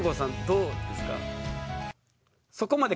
どうですか？